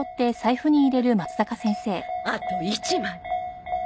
あと１枚。